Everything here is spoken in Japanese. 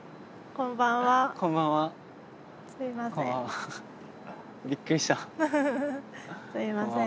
こんばんはすいません